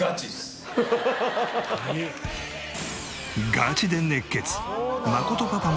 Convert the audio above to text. ガチで熱血！